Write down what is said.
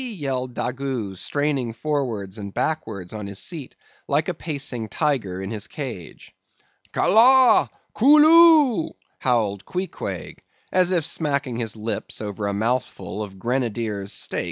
yelled Daggoo, straining forwards and backwards on his seat, like a pacing tiger in his cage. "Ka la! Koo loo!" howled Queequeg, as if smacking his lips over a mouthful of Grenadier's steak.